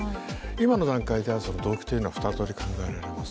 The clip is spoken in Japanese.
今の段階では動機というのは２つ考えられます。